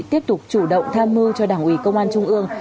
tiếp tục chủ động tham mưu cho đảng ủy công an trung ương